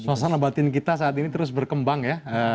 suasana batin kita saat ini terus berkembang ya